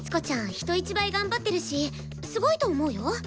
人一倍頑張ってるしすごいと思うよ。